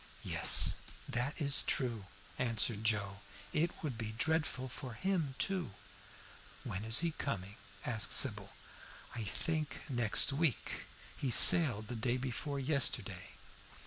"Yes, that is true," answered Joe. "It would be dreadful for him too." "When is he coming?" asked Sybil. "I think next week. He sailed the day before yesterday."